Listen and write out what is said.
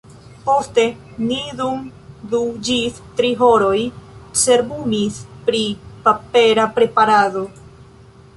Poste ni dum du ĝis tri horoj cerbumis pri papera preparado.